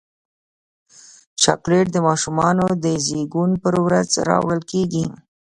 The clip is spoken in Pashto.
چاکلېټ د ماشومانو د زیږون پر ورځ راوړل کېږي.